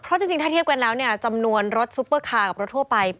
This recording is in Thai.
เพราะจริงถ้าเทียบกันแล้วเนี่ยจำนวนรถซุปเปอร์คาร์กับรถทั่วไป